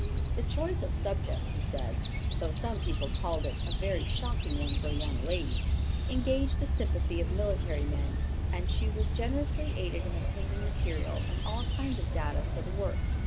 _ "The choice of subject," he says, "though some people called it a 'very shocking one for a young lady,' engaged the sympathy of military men, and she was generously aided in obtaining material and all kinds of data for the work.